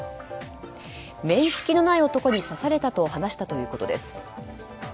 面識のない男に刺されたと話したということです。